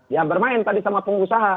ya bermain tadi sama pengusaha